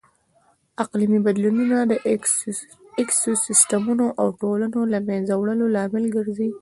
اقلیمي بدلونونه د ایکوسیسټمونو او ټولنو د لهمنځه وړلو لامل ګرځي.